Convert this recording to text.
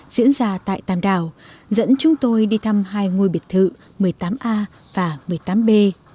diễn ra tại tàm đào dẫn chúng tôi đi thăm hai ngôi biệt thự một mươi tám a và một mươi tám b